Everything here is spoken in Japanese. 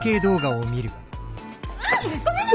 「あっごめんなさい！